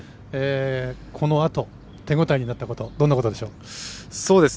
このあと、手応えになったことどんなことでしょう。